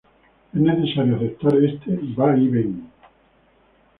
Es necesario aceptar este va y ven".